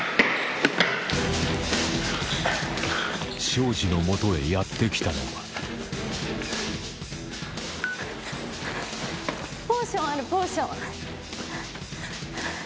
庄司のもとへやって来たのはポーションあるポーション。